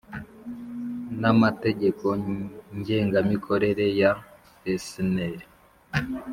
N amategeko ngengamikorere ya sner